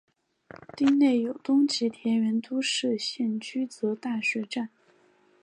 町内有东急田园都市线驹泽大学站。